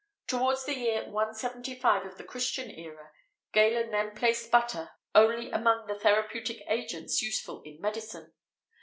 [XVIII 30] Towards the year 175 of the Christian era, Galen then placed butter only among the therapeutic agents useful in medicine.